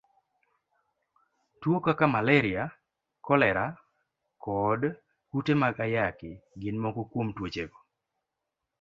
Tuwo kaka malaria, kolera, kod kute mag ayaki, gin moko kuom tuochego.